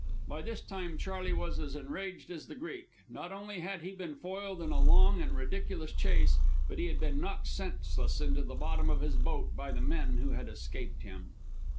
By this time Charley was as enraged as the Greek. Not only had he been foiled in a long and ridiculous chase, but he had been knocked senseless into the bottom of his boat by the men who had escaped him.